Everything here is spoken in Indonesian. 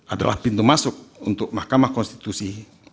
adalah pintu masuk untuk mahkamah konstitusi